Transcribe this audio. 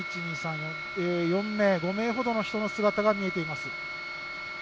４名、５名ほどの人の姿が見えています。